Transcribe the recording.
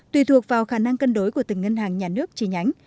tùy thuộc vào khả năng cân đối của từng ngân hàng nhà nước chi nhánh